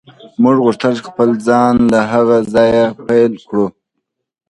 موږ غوښتل خپل ژوند له هغه ځایه پیل کړو